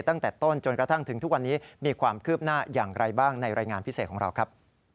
ตั้งแต่ต้นจนกระทั่งถึงทุกวันนี้มีความคืบหน้าอย่างไรบ้างในรายงานพิเศษของเราครับ